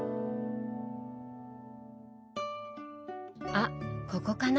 あここかな？